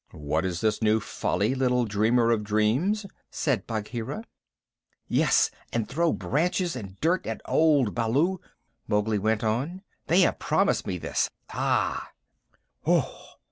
"What is this new folly, little dreamer of dreams?" said Bagheera. "Yes, and throw branches and dirt at old Baloo," Mowgli went on. "They have promised me this. Ah!"